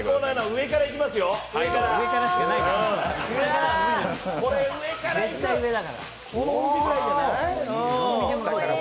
上からいきますよ、上から。